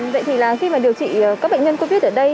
vậy thì khi điều trị các bệnh nhân covid ở đây